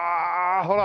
ほら。